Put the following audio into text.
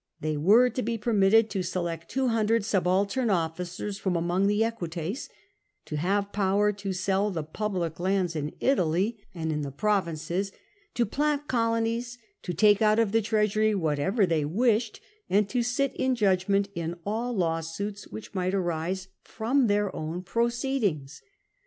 They were to be permitted to select 200 subaltern officers from among the Equites, to have power to sell the public lands in Italy, and in the provinces, to plant colonies, to take out of the treasury whatever they wished, and to sit in judgment in all lawsuits which might arise from their own proceedings.